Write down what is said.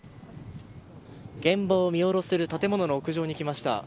現場を見下ろせる建物の屋上に来ました。